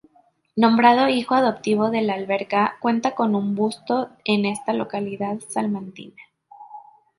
Nombrado hijo adoptivo de La Alberca, cuenta con un busto en esta localidad salmantina.